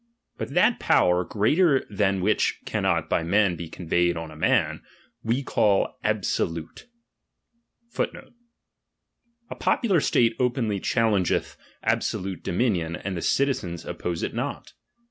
Rut that power, greater than which cannot by men be con veyed on a man, we call absolute.* For whoso * Absohile.'\ A popular state openly challengeth absolute do iniDioD, and the citizens oppose it not.